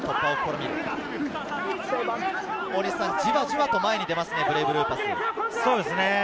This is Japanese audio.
じわじわと前に出ますね、ブレイブルーパス。